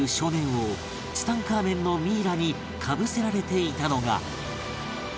王ツタンカーメンのミイラにかぶせられていたのが